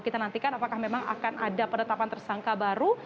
kita nantikan apakah memang akan ada penetapan tersangka baru